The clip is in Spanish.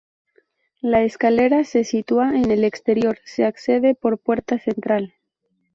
La escalera se sitúa en el exterior, se accede por puerta central.